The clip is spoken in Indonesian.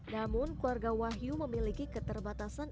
namun keluarga wahyu memiliki keterbatasan